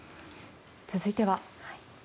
続いては。